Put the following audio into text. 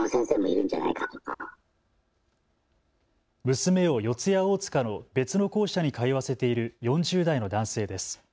娘を四谷大塚の別の校舎に通わせている４０代の男性です。